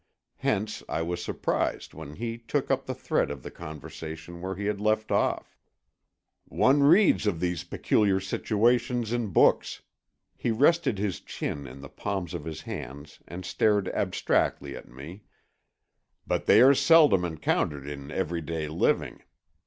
Hence I was surprised when he took up the thread of the conversation where he had left off. "One reads of these peculiar situations in books," he rested his chin in the palms of his hands and stared abstractedly at me, "but they are seldom encountered in everyday living.